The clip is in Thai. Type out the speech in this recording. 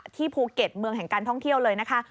ที่ภูเก็ตเมืองแห่งการท่องเที่ยวเลยนะคะ